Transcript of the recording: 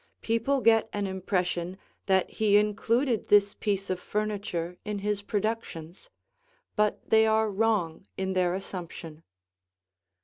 People get an impression that he included this piece of furniture in his productions, but they are wrong in their assumption.